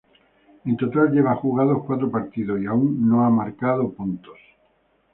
En total lleva jugados cuatro partidos y aún no marcó puntos.